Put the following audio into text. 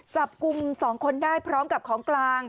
จับกลุ่ม๒คนได้พร้อมกับของกลาง